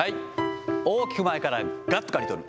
大きく前からがっと刈り取る。